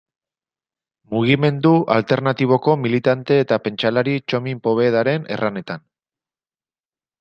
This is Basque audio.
Mugimendu alternatiboko militante eta pentsalari Txomin Povedaren erranetan.